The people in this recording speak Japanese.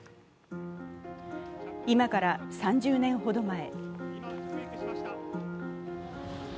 今から３０年ほど前。